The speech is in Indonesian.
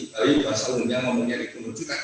tapi bahasa lundia yang namanya rekonstruksi